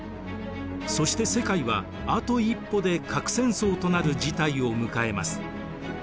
そして世界はあと一歩で核戦争となる事態を迎えます。